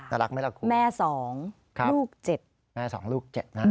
น่ารักไหมล่ะคุณครับแม่๒ลูก๗นะครับ